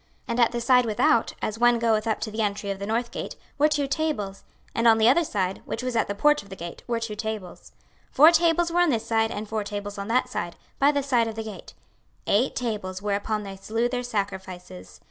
26:040:040 And at the side without, as one goeth up to the entry of the north gate, were two tables; and on the other side, which was at the porch of the gate, were two tables. 26:040:041 Four tables were on this side, and four tables on that side, by the side of the gate; eight tables, whereupon they slew their sacrifices.